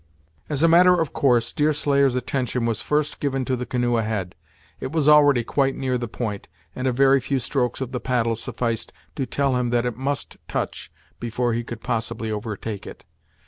As a matter of course, Deerslayer's attention was first given to the canoe ahead. It was already quite near the point, and a very few strokes of the paddle sufficed to tell him that it must touch before he could possibly overtake it.